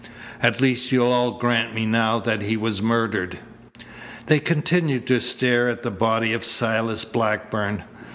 "At least you'll all grant me now that he was murdered." They continued to stare at the body of Silas Blackburn.